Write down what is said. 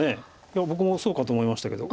僕もそうかと思いましたけど。